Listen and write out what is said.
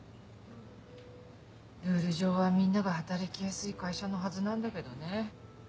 ルール上はみんなが働きやすい会社のはずなんだけどね。